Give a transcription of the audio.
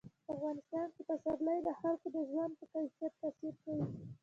په افغانستان کې پسرلی د خلکو د ژوند په کیفیت تاثیر کوي.